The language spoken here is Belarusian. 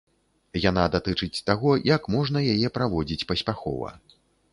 Яна датычыць таго, як можна яе праводзіць паспяхова.